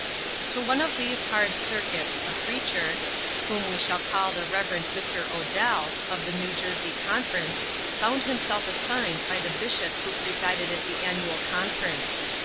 To one of these hard circuits, a preacher, whom we shall call the Rev. Mr. Odell, of the New Jersey conference, found himself assigned by the bishop who presided at the annual conference.